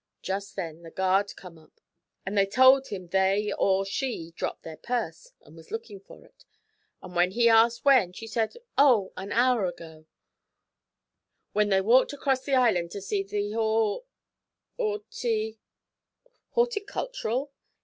Jest then the guard come up, an' they told him they or she had dropped their purse, an' she was lookin' for it; an' when he asked when, she said, "Oh, an hour ago," when they walked across the island to see the Hor horty ' 'Horticultural?'